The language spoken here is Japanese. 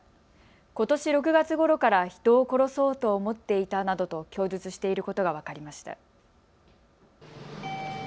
ことし６月ごろから人を殺そうと思っていたなどと供述していることが分かりました。